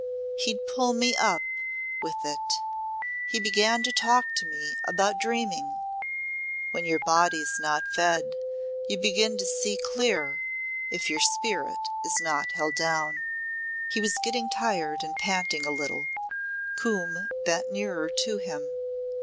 He'd pull me up with it. He began to talk to me about dreaming. When your body's not fed you begin to see clear if your spirit is not held down." He was getting tired and panting a little. Coombe bent nearer to him.